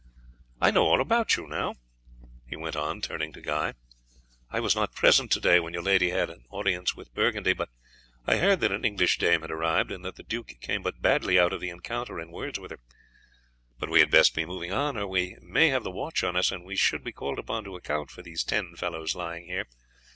"I know all about you now," he went on, turning to Guy. "I was not present today when your lady had audience with Burgundy, but I heard that an English dame had arrived, and that the duke came but badly out of the encounter in words with her. But we had best be moving on or we may have the watch on us, and we should be called upon to account for these ten fellows lying here.